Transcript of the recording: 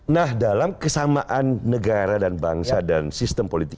nah dalam kesamaan negara dan bangsa dan sistem politik